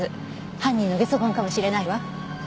犯人のゲソ痕かもしれないわ。